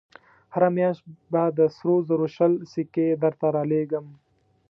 هره مياشت به د سرو زرو شل سيکې درته رالېږم.